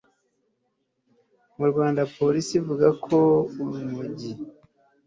Mu Rwanda polisi ivuga ko urumogi